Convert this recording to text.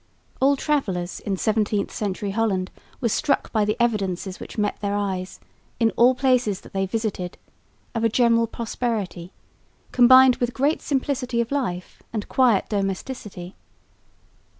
All travellers in 17th century Holland were struck by the evidences which met their eyes, in all places that they visited, of a general prosperity combined with great simplicity of life and quiet domesticity.